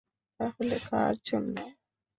তাহলে কার জন্য?